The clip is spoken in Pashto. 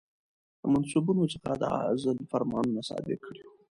د منصبونو څخه د عزل فرمانونه صادر کړي ؤ